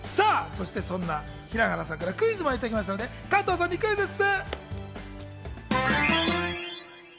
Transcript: そんな平原さんからクイズをいただきましたので、加藤さんにクイズッス。